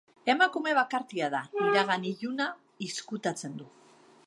Emakume bakartia da, iragan iluna izkutatzen du.